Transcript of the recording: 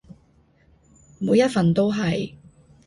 每一份都係